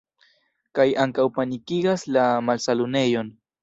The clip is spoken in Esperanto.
Kaj ankaŭ panikigas la malsanulejon.